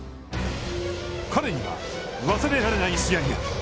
彼には、忘れられない試合が。